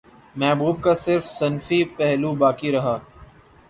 محبوب کا صرف صنفی پہلو باقی رہا